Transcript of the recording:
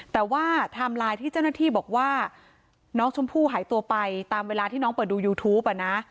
แต่ว่าไทม์ไลน์ที่เจ้าหน้าที่บอกว่าน้องชมพู่หายตัวไปตามเวลาที่น้องเปิดดูยูทูปอ่ะนะ